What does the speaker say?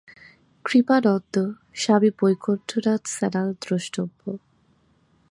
কৃপানন্দ, স্বামী বৈকুণ্ঠনাথ সান্যাল দ্রষ্টব্য।